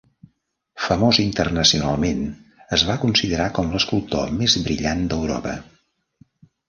Famós internacionalment, es va considerar com l'escultor més brillant d'Europa.